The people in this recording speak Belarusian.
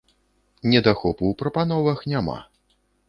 Недахопу ў прапановах няма.